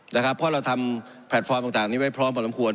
เพราะเราทำแพลตฟอร์มต่างนี้ไว้พร้อมพอสมควร